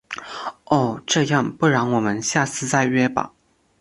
哦……这样，不然我们下次再约吧。